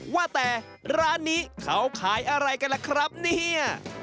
ว่าแต่ร้านนี้เขาขายอะไรกันล่ะครับเนี่ย